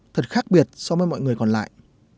thật khác biệt so với mọi người còn lại